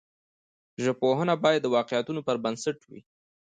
ژبپوهنه باید د واقعیتونو پر بنسټ وي.